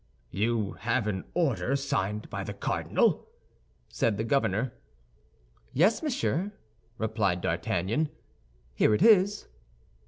"You have an order signed by the cardinal?" said the governor. "Yes, monsieur," replied D'Artagnan; "here it is."